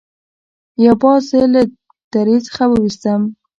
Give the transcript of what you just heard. یو باز زه له درې څخه وویستم.